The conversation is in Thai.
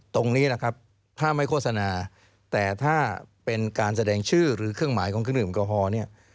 ตรงนี้แหละครับถ้าไม่โฆษณาแต่ถ้าเป็นการแสดงชื่อหรือเครื่องหมายของเครื่องดื่มแอลกอฮอล์เนี่ย